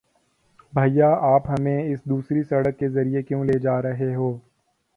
بھیا، آپ ہمیں اس دوسری سڑک کے ذریعے کیوں لے جا رہے ہو؟